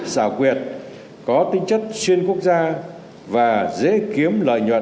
xảo quyệt có tính chất xuyên quốc gia và dễ kiếm